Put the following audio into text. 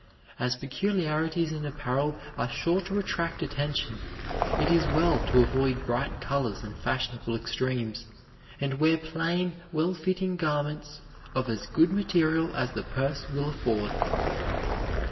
As peculiarities in apparel are sure to attract attention, it is well to avoid bright colors and fashionable extremes, and wear plain, well fitting garments of as good material as the purse will afford.